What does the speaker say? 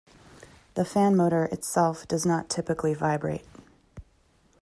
The fan motor itself does not typically vibrate.